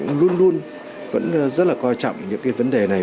luôn luôn vẫn rất là coi trọng những cái vấn đề này